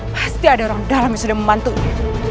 pasti ada orang dalam yang sudah membantunya